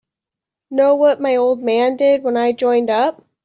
Know what my old man did when I joined up?